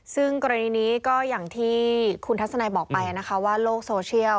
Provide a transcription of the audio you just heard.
ซึ่งกรณีนี้ก็อย่างที่คุณทัศนัยบอกไปนะคะว่าโลกโซเชียล